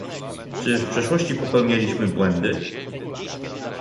Czy w przeszłości popełnialiśmy błędy?